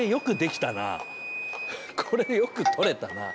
これよく撮れたな。